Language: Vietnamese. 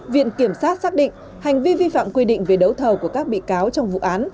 viện kiểm sát xác định hành vi vi phạm quy định về đấu thầu của các bị cáo trong vụ án